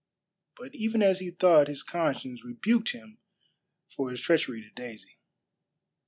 But even as he thought his conscience rebuked him for his treachery to Daisy.